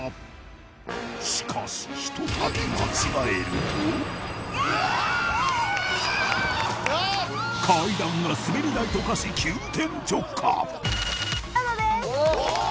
しかしひとたび間違えると階段が滑り台と化し急転直下！